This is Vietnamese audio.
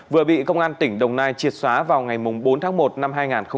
vừa bị công an tỉnh đồng nai triệt xóa vào ngày bốn tháng một năm hai nghìn hai mươi